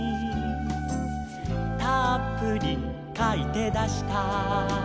「たっぷりかいてだした」